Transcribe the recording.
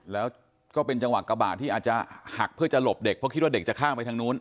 แล้วก็เป็นจังหวะกระบาดที่อาจจะหักเพื่อจะหลบเด็กเพราะคิดว่าเด็กจะข้ามไปทางนู้น